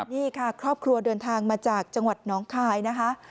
นี่ค่ะครอบครัวเดินทางมาจากจังหวัดน้องคายนะคะ